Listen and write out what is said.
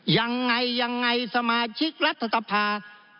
ยังไงสมาชิกรัฐธรรพา